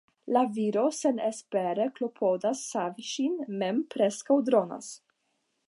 La viro senespere klopodas savi ŝin, mem preskaŭ dronas.